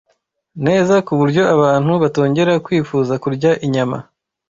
neza, ku buryo abantu batongera kwifuza kurya inyama.